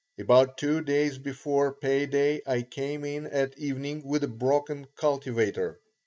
About two days before pay day I came in at evening with a broken cultivator.